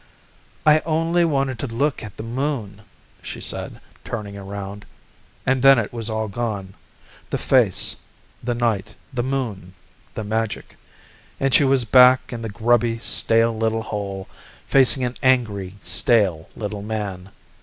"I only wanted to look at the Moon," she said, turning around, and then it was all gone the face, the night, the Moon, the magic and she was back in the grubby, stale little hole, facing an angry, stale little man.